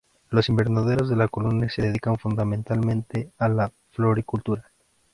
Los invernaderos de la Colonia se dedican fundamentalmente a la floricultura.